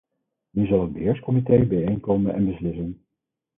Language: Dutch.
Nu zal het beheerscomité bijeenkomen en beslissen.